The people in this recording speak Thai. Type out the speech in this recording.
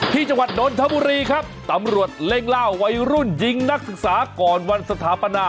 จังหวัดนนทบุรีครับตำรวจเร่งล่าวัยรุ่นยิงนักศึกษาก่อนวันสถาปนา